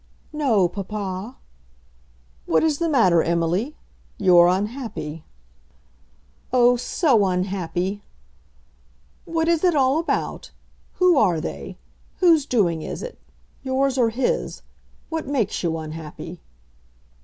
"No, papa." "What is the matter, Emily? You are unhappy." "Oh, so unhappy!" "What is it all about? Who are they? Whose doing is it, yours or his? What makes you unhappy?"